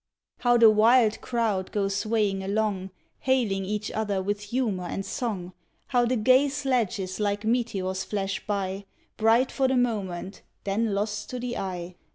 How the wild crowd go swaying along, Hailing each other with humor and song! How the gay sledges like meteors flash by, Bright for the moment, then lost to the eye!